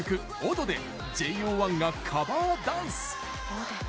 「踊」でＪＯ１がカバーダンス。